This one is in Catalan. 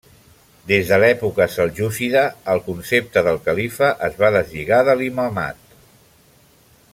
Des de l'època seljúcida el concepte del califa es va deslligar de l'imamat.